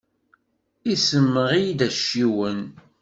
Issemɣi-d acciwen.